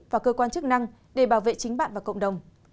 và cơ quan chức năng để bảo vệ chính bạn và cộng đồng